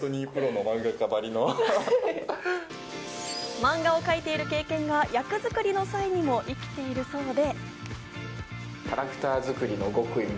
漫画を描いている経験が役作りの際にも生きているそうで。